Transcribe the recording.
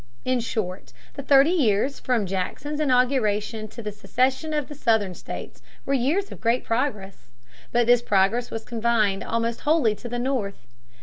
In short, the thirty years from Jackson's inauguration to the secession of the Southern states were years of great progress. But this progress was confined almost wholly to the North.